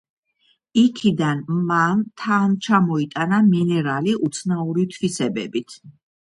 იქიდან მან თან ჩამოიტანა მინერალი უცნაური თვისებებით.